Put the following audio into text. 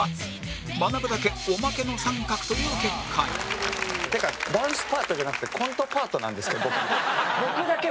まなぶだけおまけの△という結果にっていうかダンスパートじゃなくてコントパートなんですけど僕だけ。